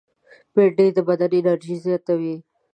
بېنډۍ د بدن انرژي زیاتوي